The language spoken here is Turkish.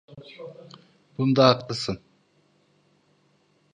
Bunda haklısın.